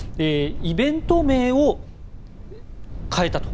イベント名を変えたと。